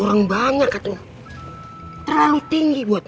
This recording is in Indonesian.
ornang sampe mendahulukan hitam di bowlsnya